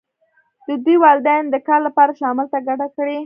د دوی والدینو د کار لپاره شمال ته کډه کړې